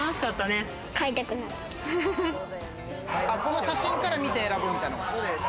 この写真から見て選ぶみたいな。